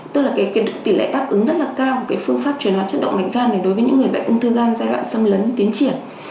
tức là cái tỷ lệ tác ứng rất là cao của cái phương pháp truyền hóa chất động mạch gan này đối với những người bệnh ung thư gan giai đoạn xâm lấn tiến triển